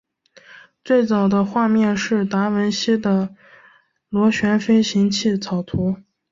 最早的画面是达文西的螺旋飞行器草图。